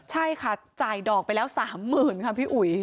ใช่ค่ะจ่ายดอกไปแล้ว๓๐๐๐ค่ะพี่อุ๋ย